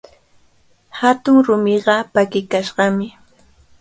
Hatun rumiqa pakikashqami.